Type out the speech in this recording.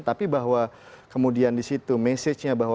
tapi bahwa kemudian di situ message nya bahwa